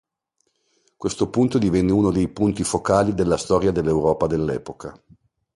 Questo punto divenne uno dei punti focali della storia dell'Europa dell'epoca.